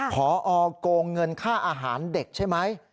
พอโกงเงินค่าอาหารเด็กใช่ไหม